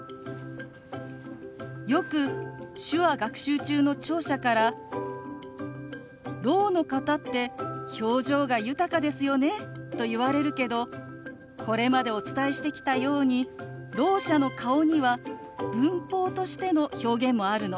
よく手話学習中の聴者から「ろうの方って表情が豊かですよね」と言われるけどこれまでお伝えしてきたようにろう者の顔には文法としての表現もあるの。